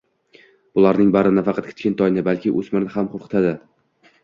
bularning bari nafaqat kichkintoyni balki o‘smirni ham qo‘rqitadi.